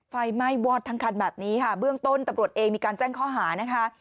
ไฟไหม้วอดทั้งคันแบบนี้ค่ะเบื้องต้นตำรวจเองมีการแจ้งข้อหานะคะ